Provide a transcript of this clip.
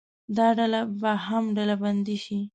دا ډله به هم ډلبندي شي.